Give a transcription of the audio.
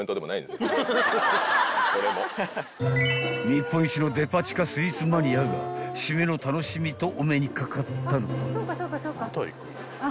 ［日本一のデパ地下スイーツマニアが締めの楽しみとお目にかかったのは］